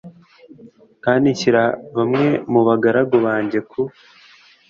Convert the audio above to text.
kandi nshyira bamwe mu bagaragu banjye ku